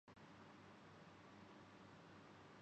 لوگوں کو خوش آمدیدگی کا احساس دلاتا ہوں